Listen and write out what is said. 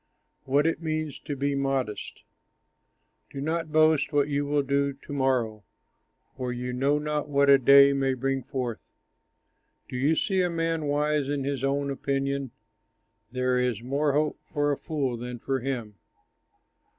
WHAT IT MEANS TO BE MODEST Do not boast what you will do to morrow, For you know not what a day may bring forth. Do you see a man wise in his own opinion? There is more hope for a fool than for him!